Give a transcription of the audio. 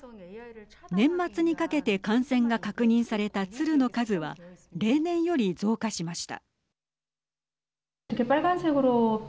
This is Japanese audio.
年末にかけて感染が確認された鶴の数は例年より増加しました。